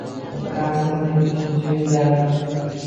O‘tgan asrning yetmishinchi yillari.